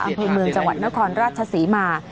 อำเภอเมืองจังหวัดนครราชศรีมา